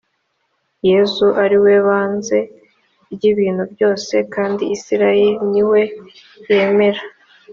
yezu ari we banze ry’ibintu byose kandi isirayeli ni we yemera